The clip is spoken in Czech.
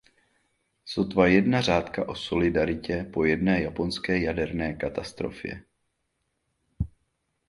Sotva jedna řádka o solidaritě po jediné japonské jaderné katastrofě.